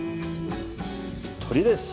鶏です。